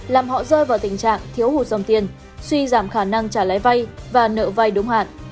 làm họ rơi vào tình trạng thiếu hụt dòng tiền suy giảm khả năng trả lãi vay và nợ vay đúng hạn